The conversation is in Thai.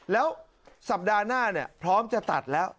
แล้วสัปดาห์หน้าพร้อมจะตัดแล้ว